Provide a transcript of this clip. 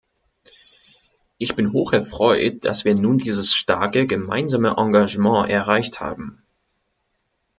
Ich bin hocherfreut, dass wir nun dieses starke gemeinsame Engagement erreicht haben.